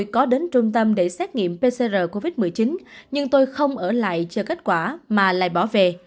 có đến trung tâm để xét nghiệm pcr covid một mươi chín nhưng tôi không ở lại chờ kết quả mà lại bỏ về